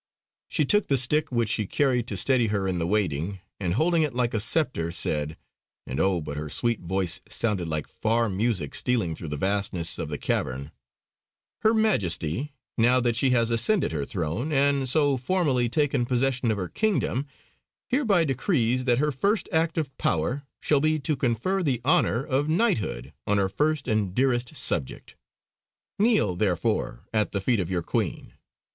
She took the stick which she carried to steady her in the wading, and holding it like a sceptre, said, and oh, but her sweet voice sounded like far music stealing through the vastness of the cavern: "Her Majesty, now that she has ascended her throne, and so, formally taken possession of her Kingdom, hereby decrees that her first act of power shall be to confer the honour of Knighthood on her first and dearest subject. Kneel therefore at the feet of your Queen.